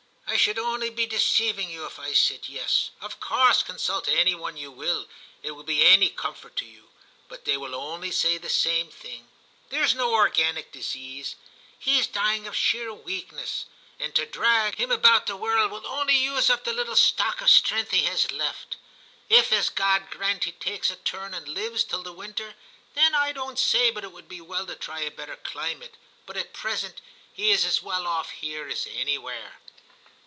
* I should only be deceiving you if I said " yes "; of course consult any one you will, if it will be any comfort to you ; but they will only say the same thing. There is no organic disease ; he is dying of sheer weakness, and to drag i 294 TIM CHAP. him about the world will only use up the little stock of strength he has left. If, as God grant, he takes a turn and lives till the winter, then I don't say but it would be well to try a better climate. But at present he is as well off here as anywhere.'